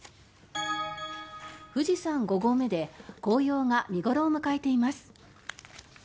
富士山五合目で紅葉が見頃を迎えています。